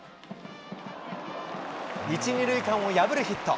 １、２塁間を破るヒット。